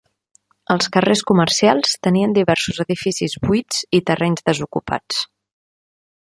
Els carrers comercials tenien diversos edificis buits i terrenys desocupats.